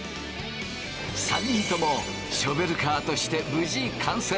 ３人ともショベルカーとして無事完成。